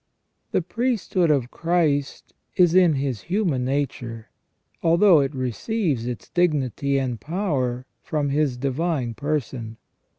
The priest hood of Christ is in His human nature, although it receives its dignity and power from His divine person.